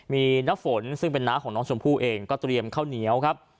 มีน้ำฝนซึ่งเป็นน้าของน้องชมพู่เองก็เตรียมข้าวเหนียวครับ